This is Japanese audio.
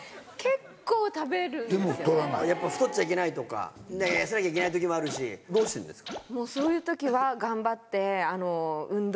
太っちゃいけないとか痩せなきゃいけない時もあるしどうしてんですか？